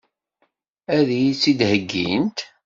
Ad iyi-tt-id-heggint?